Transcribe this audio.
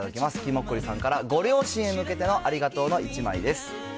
きもっこりさんからご両親に向けてのありがとうの１枚です。